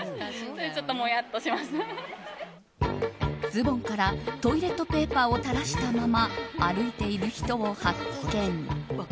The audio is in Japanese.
ズボンからトイレットペーパーを垂らしたまま歩いている人を発見。